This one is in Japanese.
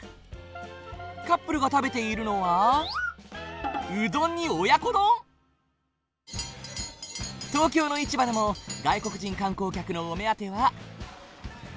カップルが食べているのは東京の市場でも外国人観光客のお目当ては。